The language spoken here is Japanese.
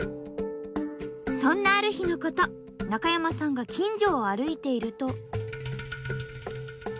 そんなある日のこと中山さんが近所を歩いていると。